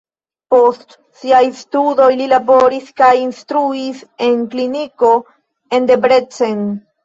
Post siaj studoj li laboris kaj instruis en kliniko en Debrecen.